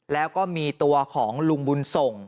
แล้วก็มีตัวของลุงบุญส่ง